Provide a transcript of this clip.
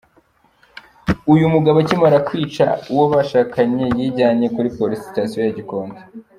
U yu mugabo akimara kwica uwo bashakanye yijyanye kuri polisi sitasiyo ya Gikonko”.